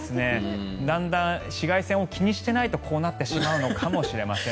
だんだん紫外線を気にしていないとこうなってしまうのかもしれません。